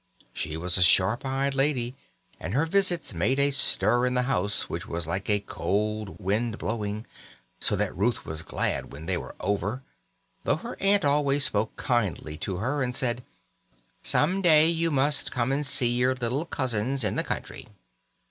She was a sharp eyed lady, and her visits made a stir in the house which was like a cold wind blowing, so that Ruth was glad when they were over, though her aunt always spoke kindly to her, and said: "Some day you must come and see your little cousins in the country."